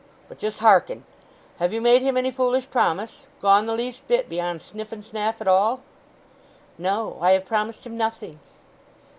But just harken: Have you made him any foolish promise? Gone the least bit beyond sniff and snaff at all?" "No. I have promised him nothing."